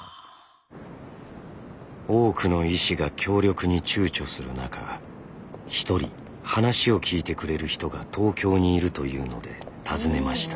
多くの医師が協力にちゅうちょする中一人話を聞いてくれる人が東京にいるというので訪ねました。